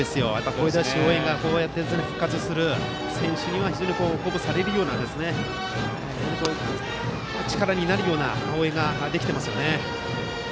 声出し応援が復活して選手には非常に鼓舞されるような力になるような応援ができていますよね。